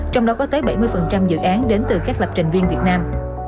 trong đó có tới bảy mươi dự án đến từ các lập trình viên việt nam